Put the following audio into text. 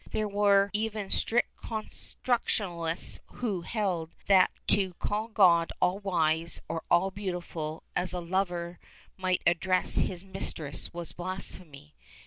There were even strict constructionists who held that to call God all wise or all beautiful, as a lover might address his mistress, was blasphemy.